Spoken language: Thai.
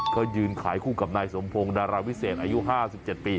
ก็ยืนขายคู่กับนายสมพงศ์ดาราวิเศษอายุห้าสิบเจ็ดปี